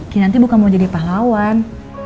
kinanti bukan mau jadi pahlawan